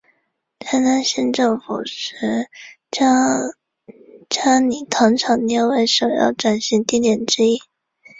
台南县政府遂将佳里糖厂列为首要转型地点之一。